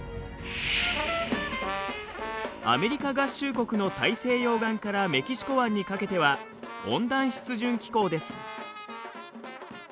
アメリカ合衆国の大西洋岸からメキシコ湾にかけては温暖湿潤気候です。